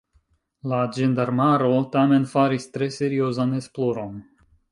La ĝendarmaro tamen faris tre seriozan esploron.